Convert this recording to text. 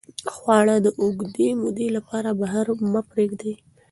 خواړه د اوږدې مودې لپاره بهر مه پرېږدئ.